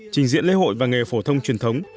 trình diễn lễ hội và nghề phổ thông truyền thống